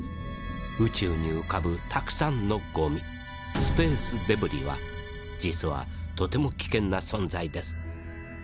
宇宙に浮かぶたくさんのゴミスペースデブリは実はとても危険な存在です。